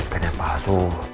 hasil scan yang palsu